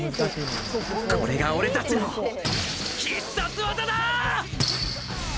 これが俺たちの、必殺技だ！